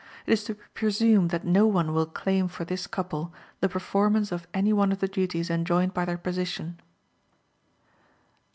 It is to be presumed that no one will claim for this couple the performance of any one of the duties enjoined by their position.